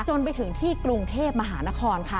จนไปถึงที่กรุงเทพมหานครค่ะ